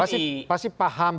pasti paham bagaimana caranya